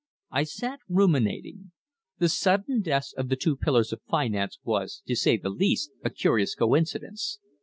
I sat ruminating. The sudden deaths of the two pillars of finance was, to say the least, a curious coincidence.